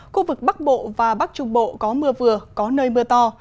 khu vực bắc bộ và bắc trung bộ có mưa vừa có nơi mưa to